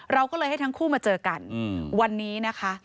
เราก็เลยให้ทั้งคู่มาเจอกันวันนี้นะคะ